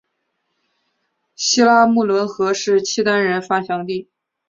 西拉木伦河是契丹人发祥地。